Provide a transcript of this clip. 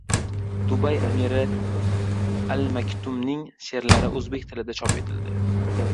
Dubay amiri Al-Maktumning she’rlari o‘zbek tilida chop etildi